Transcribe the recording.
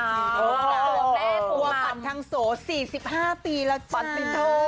แม่ภันธ์ทั้งโส๔๕ปีแล้วจ้า